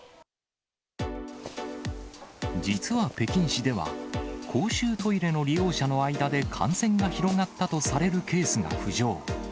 実は北京市では、公衆トイレの利用者の間で、感染が広がったとされるケースが浮上。